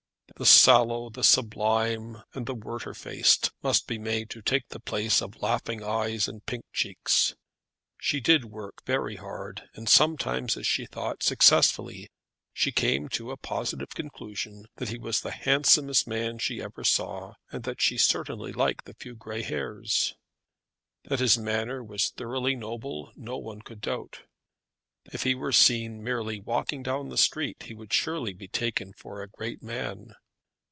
The sallow, the sublime, and the Werter faced must be made to take the place of laughing eyes and pink cheeks. She did work very hard, and sometimes, as she thought, successfully. She came to a positive conclusion that he was the handsomest man she ever saw, and that she certainly liked the few grey hairs. That his manner was thoroughly noble no one could doubt. If he were seen merely walking down the street he would surely be taken for a great man.